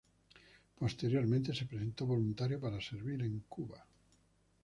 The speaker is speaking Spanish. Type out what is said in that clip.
Posteriormente se presentó voluntario para servir en Cuba.